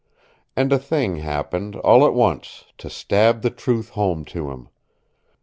And a thing happened, all at once, to stab the truth home to him.